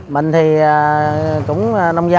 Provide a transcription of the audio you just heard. mình thì cũng nông gia